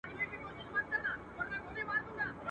نور پر کمبله راته مه ږغوه.